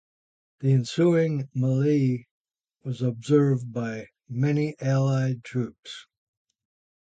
The ensuing melee was observed by many Allied troops.